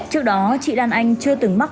trước đó chị lan anh chưa từng mắc